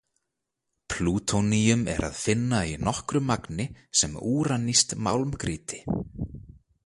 Plútóníum er að finna í nokkru magni sem úranískt málmgrýti.